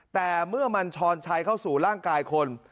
แต่เมื่อมันช้อนชัยเข้าสู่ร่างกายคน